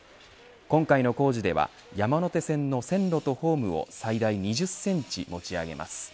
今回の工事では山手線の線路とホームを最大２０センチ持ち上げます。